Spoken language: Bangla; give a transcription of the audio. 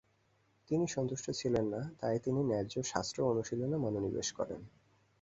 তিনি সন্তুষ্ট ছিলেন না, তাই তিনি ন্যায় শাস্শ্র অনুশীলনে মনোনিবেশ করেন।